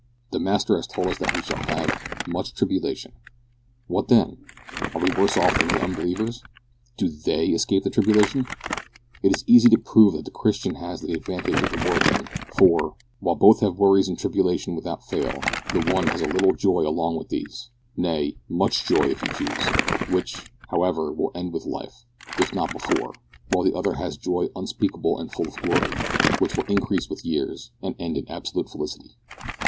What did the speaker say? The Master has told us that we shall have "much tribulation." What then? Are we worse off than the unbelievers? Do they escape the tribulation? It is easy to prove that the Christian has the advantage of the worldling, for, while both have worries and tribulation without fail, the one has a little joy along with these nay, much joy if you choose which, however, will end with life, if not before; while the other has joy unspeakable and full of glory, which will increase with years, and end in absolute felicity!